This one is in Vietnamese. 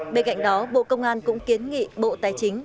bên cạnh đó bộ công an cũng kiến nghị bộ tài chính